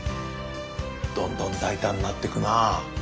どんどん大胆になってくなぁ。